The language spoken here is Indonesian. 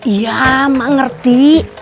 iya mak ngerti